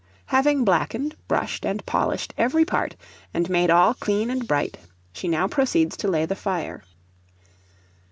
Having blackened, brushed, and polished every part, and made all clean and bright, she now proceeds to lay the fire.